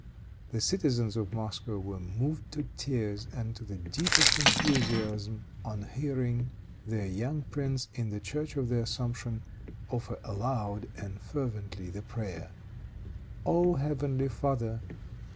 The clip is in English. The citizens of Moscow were moved to tears and to the deepest enthusiasm on hearing their young prince, in the church of the Assumption, offer aloud and fervently the prayer, "Oh heavenly Father!